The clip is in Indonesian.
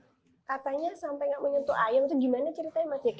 katanya sampai nggak menyentuh ayam itu gimana ceritanya mbah jikek